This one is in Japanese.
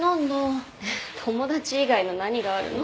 友達以外の何があるの。